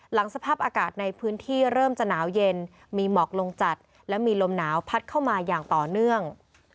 สภาพอากาศในพื้นที่เริ่มจะหนาวเย็นมีหมอกลงจัดและมีลมหนาวพัดเข้ามาอย่างต่อเนื่อง